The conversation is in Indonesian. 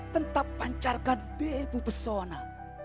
tentap pancarkan debu pesona